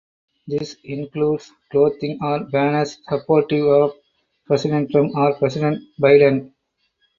This includes clothing or banners supportive of President Trump or President Biden.